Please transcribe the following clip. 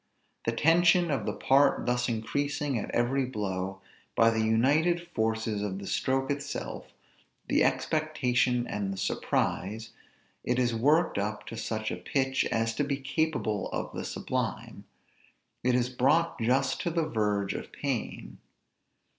The tension of the part thus increasing at every blow, by the united forces of the stroke itself, the expectation and the surprise, it is worked up to such a pitch as to be capable of the sublime; it is brought just to the verge of pain.